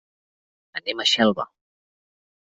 Anem a Xelva.